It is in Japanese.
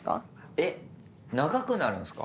えっ長くなるんですか？